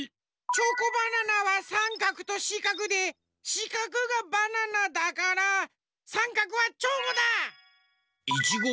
チョコバナナはさんかくとしかくでしかくがバナナだからさんかくはチョコだ！